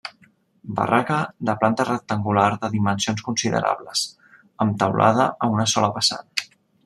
Barraca de planta rectangular de dimensions considerables, amb teulada a una sola vessant.